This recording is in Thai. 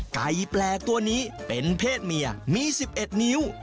ไก่แปลกตัวนี้เป็นเพศเมียมี๑๑นิ้ว